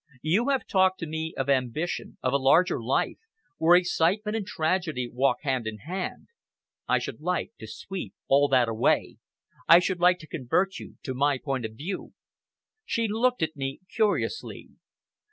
You have talked to me of ambition, of a larger life, where excitement and tragedy walk hand in hand! I should like to sweep all that away. I should like to convert you to my point of view." She looked at me curiously.